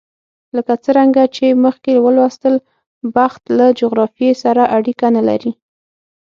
لکه څرنګه چې مخکې ولوستل، بخت له جغرافیې سره اړیکه نه لري.